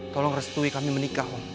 tolong restui kami menikah